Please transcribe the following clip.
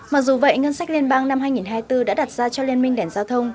mặc dù vậy ngân sách liên bang năm hai nghìn hai mươi bốn đã đặt ra cho liên minh đèn giao thông